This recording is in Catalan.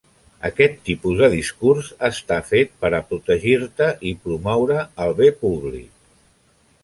Aquest tipus de discurs està fet per a protegir-te i promoure el bé públic.